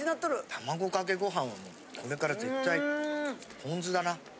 卵かけご飯はこれから絶対ポン酢だな。